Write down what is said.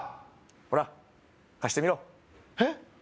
ほら貸してみろえっ？